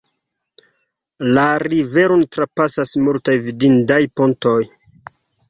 La riveron trapasas multaj vidindaj pontoj.